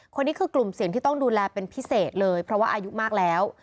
คนนี้คือกลุ่มเสี่ยงที่ต้องดูแลเป็นพิเศษเลยเพราะว่าอายุมากแล้ว